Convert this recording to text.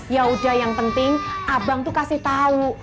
yaudah yang penting abang tuh kasih tau